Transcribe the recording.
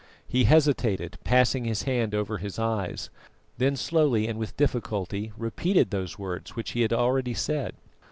He hesitated, passing his hand over his eyes, then slowly and with difficulty repeated those words which he had already said.